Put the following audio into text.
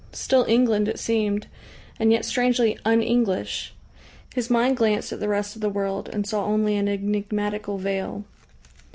Still England it seemed, and yet strangely "un English." His mind glanced at the rest of the world, and saw only an enigmatical veil.